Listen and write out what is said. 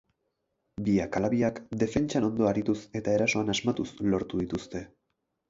Biak ala biak defentsan ondo arituz eta erasoan asmatuz lortu dituzte.